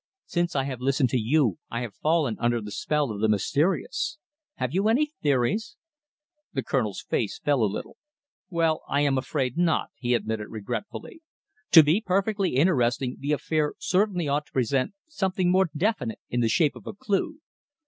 Since I have listened to you I have fallen under the spell of the mysterious. Have you any theories?" The Colonel's face fell a little. "Well, I am afraid not," he admitted regretfully. "To be perfectly interesting the affair certainly ought to present something more definite in the shape of a clue.